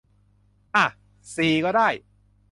อ่ะ สี่ก็ได้